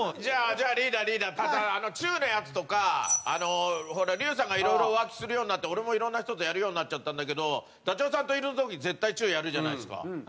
じゃあリーダーリーダーチューのやつとかほら竜さんが色々浮気するようになって俺も色んな人とやるようになっちゃったんだけどダチョウさんといる時絶対チューやるじゃないですか。